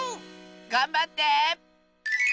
がんばって！